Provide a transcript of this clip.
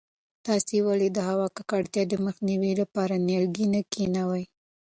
تاسې ولې د هوا د ککړتیا د مخنیوي لپاره نیالګي نه کښېنوئ؟